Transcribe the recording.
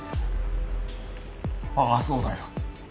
ああそうだよ。